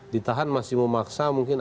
ditahan masih memaksa mungkin